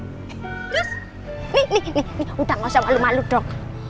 nih nih nih udah nggak usah malu malu dong